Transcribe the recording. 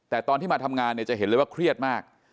แต่ตอนที่มาทำงานเนี่ยจะเห็นเลยว่าเครียดมาก